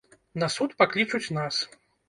На суд паклічуць нас.